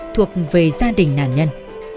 thuộc về gia đình nạn nhân